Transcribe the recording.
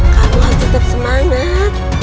kamu harus tetap semangat